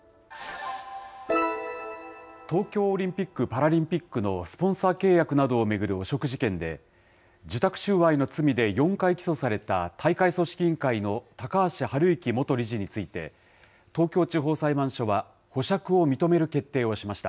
東京オリンピック・パラリンピックのスポンサー契約などを巡る汚職事件で、受託収賄の罪で４回起訴された大会組織委員会の高橋治之元理事について、東京地方裁判所は、保釈を認める決定をしました。